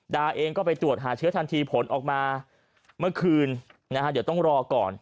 ดาเองก็ไปตรวจหาเชื้อทันทีผลออกมาเมื่อคืนนะฮะเดี๋ยวต้องรอก่อน